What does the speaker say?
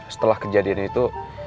setelah kejadian itu